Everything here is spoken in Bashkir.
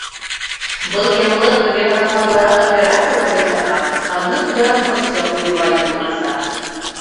— Был яңылыҡ беҙгә ҡатмарлыраҡ операциялар яһарға, аныҡ диагностика ҡуйыуға юл аса.